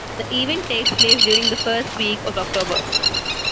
The event takes place during the first week of October.